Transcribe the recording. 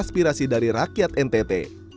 aspirasi dari rakyat ntt